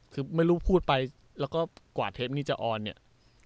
คือไม่รู้พูดไปแล้วก็กว่าเทปนี้จะออนเนี่ย